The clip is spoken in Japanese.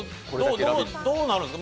どうなるんですか？